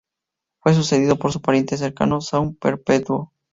Fue sucedido por su pariente cercano, San Perpetuo.